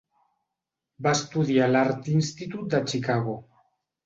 Va estudiar a l'Art Institute de Chicago.